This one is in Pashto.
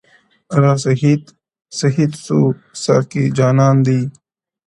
o را سهید سوی، ساقي جانان دی،